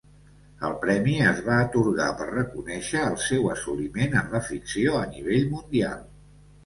El premi es va atorgar per reconèixer el seu "assoliment en la ficció a nivell mundial".